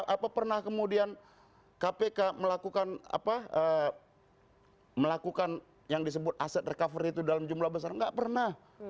apa pernah kemudian kpk melakukan apa melakukan yang disebut aset recovery itu dalam jumlah besar nggak pernah